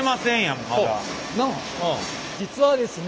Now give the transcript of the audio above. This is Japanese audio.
実はですね